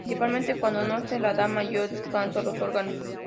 Principalmente cuando no se le da mayor descanso a los órganos.